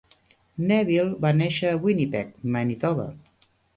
Neville va néixer a Winnipeg, Manitoba